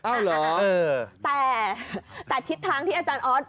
อ้าวเหรอเออแต่แต่คิดทางที่อาจารย์ออส